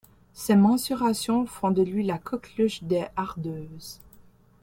Ses mensurations font de lui la coqueluche des hardeuses.